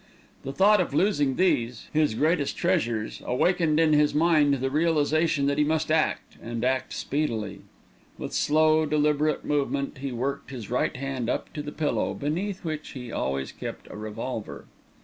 The thought of losing these, his greatest treasures, awakened in his mind the realisation that he must act, and act speedily. With a slow, deliberate movement he worked his right hand up to the pillow, beneath which he always kept a revolver.